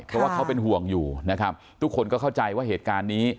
เพราะว่าเขาเป็นห่วงอยู่นะครับทุกคนก็เข้าใจว่าเหตุการณ์นี้